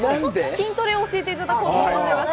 筋トレを教えていただこうと思います。